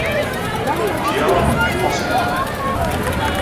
Pyaar Impossible!